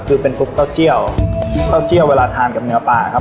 คือเป็นซุปเต้าเจี่ยวเต้าเจี่ยวเวลาทานกับเนื้อปลาครับ